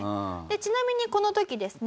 ちなみにこの時ですね